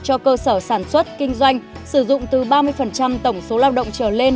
cho cơ sở sản xuất kinh doanh sử dụng từ ba mươi tổng số lao động trở lên